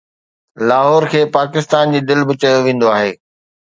لاهور کي پاڪستان جي دل به چيو ويندو آهي